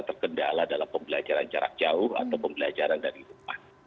terkadang ada kendala dalam pembelajaran jarak jauh atau pembelajaran dari rumah